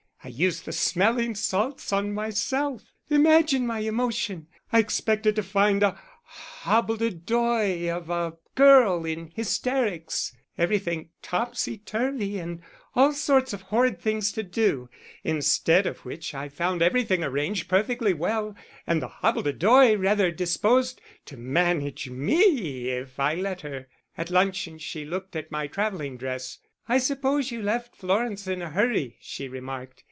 I used the smelling salts myself! Imagine my emotion; I expected to find a hobbledehoy of a girl in hysterics, everything topsy turvy and all sorts of horrid things to do; instead of which I found everything arranged perfectly well and the hobbledehoy rather disposed to manage me if I let her. At luncheon she looked at my travelling dress. 'I suppose you left Florence in a hurry,' she remarked.